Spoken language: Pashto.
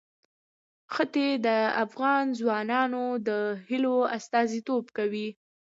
ښتې د افغان ځوانانو د هیلو استازیتوب کوي.